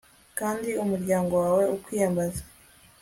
kandi umuryango wawe ukwiyambaza